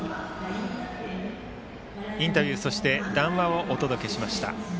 インタビューそして談話をお届けしました。